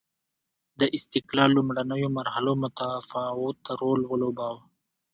د استقلال لومړنیو مرحلو متفاوت رول ولوباوه.